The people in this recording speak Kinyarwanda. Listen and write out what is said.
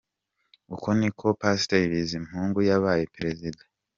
Uko niko Pasteur Bizimungu yabaye Perezida.